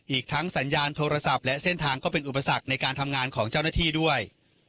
อีกทั้งสัญญาณโทรศัพท์และเส้นทางก็เป็นอุปสรรคในการทำงานของเจ้าหน้าที่ด้วย